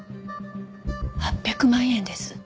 ８００万円です。